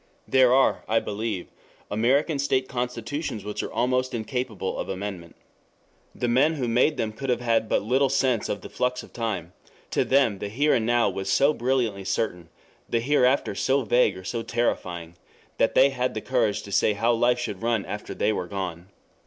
There are, I believe, American state constitutions which are almost incapable of amendment. The men who made them could have had but little sense of the flux of time: to them the Here and Now was so brilliantly certain, the Hereafter so vague or so terrifying, that they had the courage to say how life should run after they were gone.